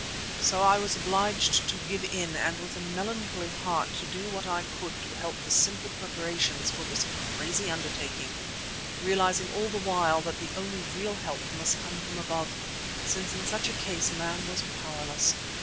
So I was obliged to give in and with a melancholy heart to do what I could to help in the simple preparations for this crazy undertaking, realizing all the while that the only real help must come from above, since in such a case man was powerless.